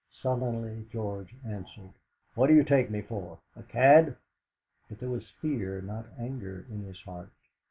Sullenly George answered: "What do you take me for? A cad?" But there was fear, not anger, in his heart.